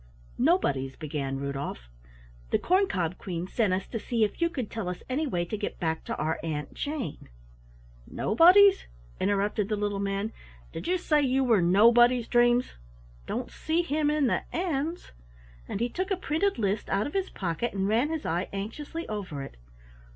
"Nobody's," began Rudolf. "The Corn cob Queen sent us to see if you could tell us any way to get back to our Aunt Jane " "Nobody's?" interrupted the little man. "Did you say you were Nobody's dreams? Don't see him in the N's." And he took a printed list out of his pocket and ran his eye anxiously over it.